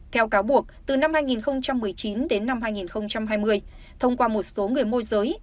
theo cáo buộc từ năm hai nghìn một mươi chín đến năm hai nghìn hai mươi thông qua một số người môi giới